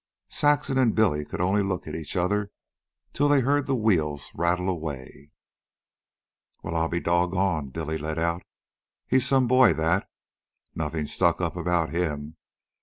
Saxon and Billy could only look at each other till they heard the wheels rattle away. "Well, I'll be doggoned," Billy let out. "He's some boy, that. Nothing stuck up about him.